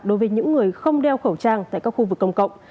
đối với những người không đeo khẩu trang tại các khu vực công cộng